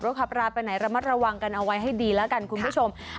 ขับราไปไหนระมัดระวังกันเอาไว้ให้ดีแล้วกันคุณผู้ชม